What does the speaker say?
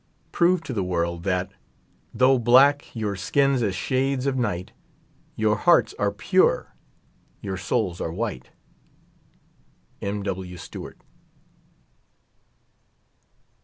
Prove to tin? world that Thonzh black yonr skins as shades of ni^ht, YourTiearts are piu e, your souls are white. M. W. STEWART.